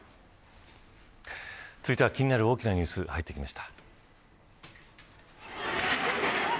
続いては、気になる大きなニュースが入ってきました。